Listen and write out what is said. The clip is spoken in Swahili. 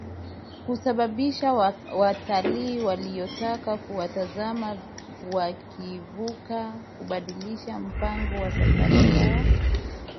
kusababisha watalii waliotaka kuwatazama wakivuka kubadilisha mpangilio wa safari zao